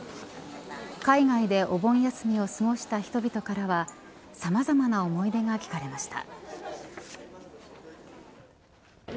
海外でお盆休みを過ごした人々からはさまざまな思い出が聞かれました。